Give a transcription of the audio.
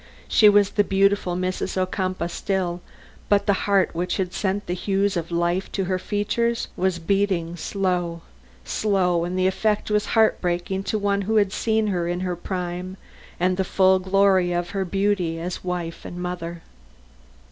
She was the beautiful Mrs. Ocumpaugh still, but the heart which had sent the hues of life to her features, was beating slow slow and the effect was heartbreaking to one who had seen her in her prime and the full glory of her beauty as wife and mother.